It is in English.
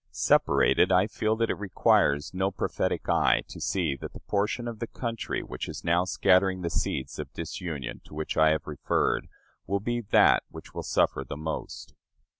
Separated, I feel that it requires no prophetic eye to see that the portion of the country which is now scattering the seeds of disunion to which I have referred will be that which will suffer most.